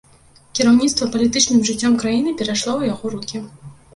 Кіраўніцтва палітычным жыццём краіны перайшло ў яго рукі.